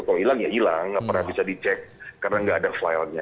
kalau hilang ya hilang nggak pernah bisa dicek karena nggak ada file nya